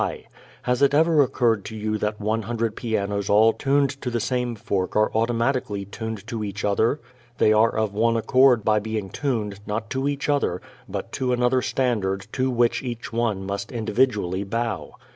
Has it ever occurred to you that one hundred pianos all tuned to the same fork are automatically tuned to each other? They are of one accord by being tuned, not to each other, but to another standard to which each one must individually bow.